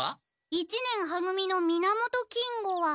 一年は組の皆本金吾は。